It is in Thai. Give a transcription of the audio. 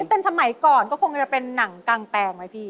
เป็นสมัยก่อนก็คงจะเป็นหนังกางแปลงไหมพี่